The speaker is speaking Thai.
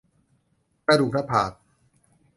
กระดูกหน้าผาก